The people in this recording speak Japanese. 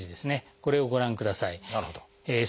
これをご覧ください。